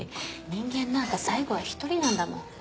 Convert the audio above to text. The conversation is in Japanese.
人間なんか最後は１人なんだもん。